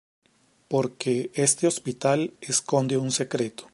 Porque este hospital esconde un secreto.